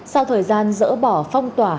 sau thời gian dỡ bỏ phong tỏa